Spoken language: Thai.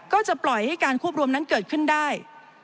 ก็จะปล่อยให้การควบรวมนั้นเกิดขึ้นได้